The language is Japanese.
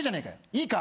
いいか？